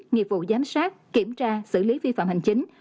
nghiệp vụ giám sát kiểm tra xử lý vi phạm hành chính